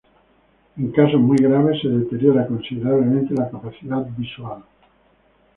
En casos muy graves se deteriora considerablemente la capacidad visual.